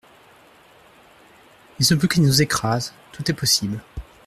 Il se peut qu'ils nous écrasent, tout est possible.